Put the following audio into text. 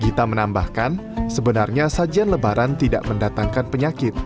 gita menambahkan sebenarnya sajian lebaran tidak mendatangkan penyakit